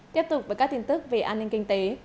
tiếp tục với các tin tức về an ninh kinh tế